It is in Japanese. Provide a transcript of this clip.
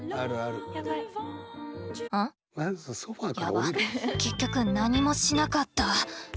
やば結局何もしなかった。